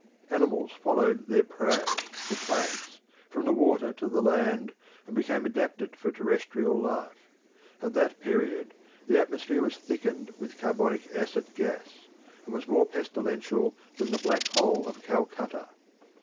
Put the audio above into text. Animals followed their prey, the plants, from the water to the land and became adapted for terrestrial life. At that period the atmosphere was thickened with carbonic acid gas, and was more pestilential than the Black Hole of Calcutta.